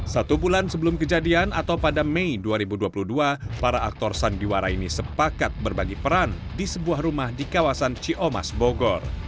satu bulan sebelum kejadian atau pada mei dua ribu dua puluh dua para aktor sandiwara ini sepakat berbagi peran di sebuah rumah di kawasan ciomas bogor